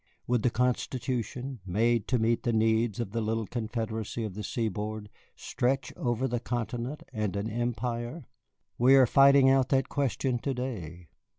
Would the Constitution, made to meet the needs of the little confederacy of the seaboard, stretch over a Continent and an Empire? We are fighting out that question to day.